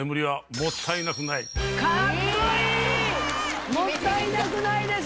もったいなくないです